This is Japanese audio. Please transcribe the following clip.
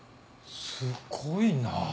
すごいな。